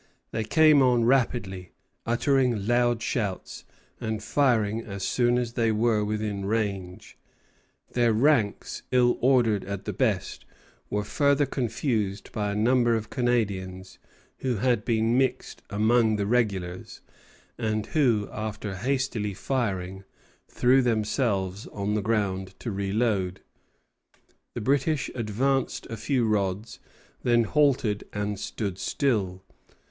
They came on rapidly, uttering loud shouts, and firing as soon as they were within range. Their ranks, ill ordered at the best, were further confused by a number of Canadians who had been mixed among the regulars, and who, after hastily firing, threw themselves on the ground to reload. The British advanced a few rods; then halted and stood still.